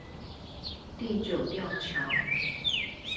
地久吊橋